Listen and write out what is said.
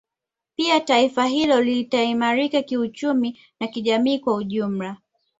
Pia taifa hilo litaimarika kiuchumi na kijamii kwa ujumla